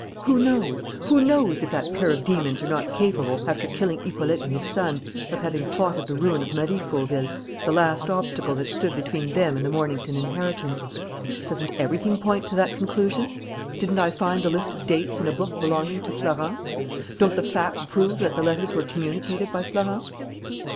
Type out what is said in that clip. "Who knows? Who knows if that pair of demons are not capable, after killing Hippolyte and his son, of having plotted the ruin of Marie Fauville, the last obstacle that stood between them and the Mornington inheritance? Doesn't everything point to that conclusion? Didn't I find the list of dates in a book belonging to Florence? Don't the facts prove that the letters were communicated by Florence?...